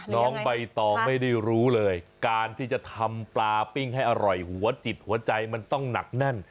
น้องใบตองไม่ได้รู้เลยการที่จะทำปลาปิ้งให้อร่อยหัวจิตหัวใจมันต้องหนักแน่น